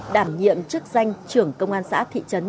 đảm nhiệm chức danh trưởng công an xã thị trấn